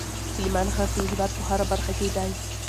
سلیمان غر د هېواد په هره برخه کې دی.